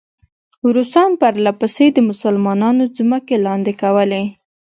روسان پرله پسې د مسلمانانو ځمکې لاندې کولې.